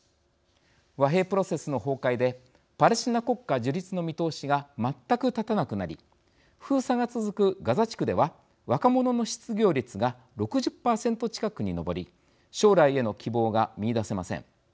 和平プロセスの崩壊でパレスチナ国家樹立の見通しが全く立たなくなり封鎖が続くガザ地区では若者の失業率が６０％近くに上り将来への希望が見いだせません。